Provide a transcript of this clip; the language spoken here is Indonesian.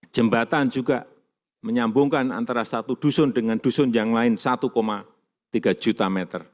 jembatan juga menyambungkan antara satu dusun dengan dusun yang lain satu tiga juta meter